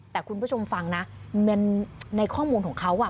แต่คุณผู้ชมฟังนะในข้อมูลของเขา